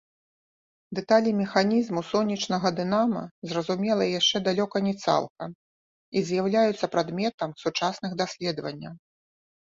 Дэталі механізму сонечнага дынама зразумелыя яшчэ далёка не цалкам і з'яўляюцца прадметам сучасных даследаванняў.